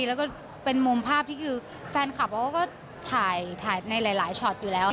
แล้วก็เป็นมุมภาพที่คือแฟนคลับเขาก็ถ่ายในหลายช็อตอยู่แล้ว